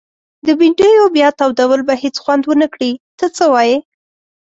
د بنډیو بیا تودول به هيڅ خوند ونکړي ته څه وايي؟